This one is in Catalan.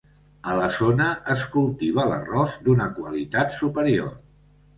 A la zona es cultiva l'arròs, d'una qualitat superior.